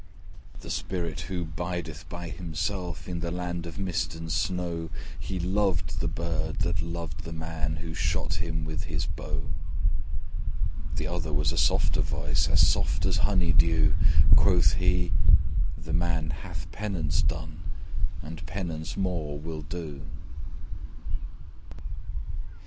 The spirit who bideth by himself In the land of mist and snow, He loved the bird that loved the man Who shot him with his bow.' The other was a softer voice, As soft as honey dew: Quoth he, 'The man hath penance done, And penance more will do.'